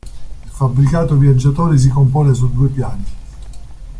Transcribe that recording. Il fabbricato viaggiatori si compone su due piani.